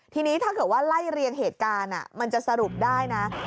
ทีนี้ถ้าเกิดว่าไล่เรียงเหตุการณ์มันจะสรุปได้นะ